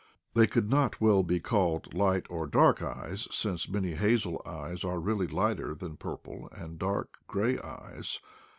They could not well be called light and dark eyes, since many hazel eyes are really lighter than purple and dark gray eyes.